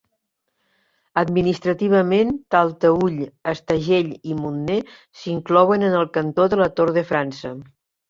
Administrativament, Talteüll, Estagell i Montner s'inclouen en el cantó de la Tor de França.